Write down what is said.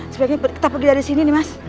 sebaiknya kita pergi dari sini